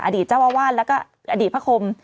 อดีตเจ้าอาวาสและอดีตพระคม